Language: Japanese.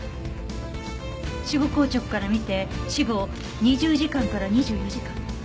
死後硬直から見て死後２０時間から２４時間。